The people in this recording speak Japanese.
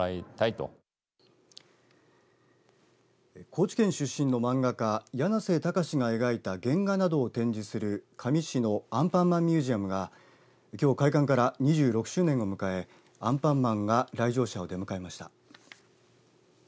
高知県出身の漫画家やなせたかしが描いた原画などを展示する香美市のアンパンマンミュージアムがきょう開館から２６周年を迎えアンパンマンが来場者を出迎えました。